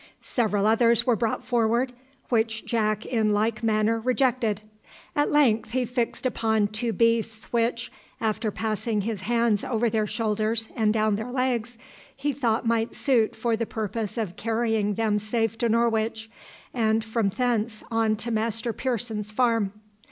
Several others were brought forward, which Jack in like manner rejected. At length he fixed upon two beasts which, after passing his hands over their shoulders and down their legs, he thought might suit for the purpose of carrying them safe to Norwich, and from thence on to Master Pearson's farm.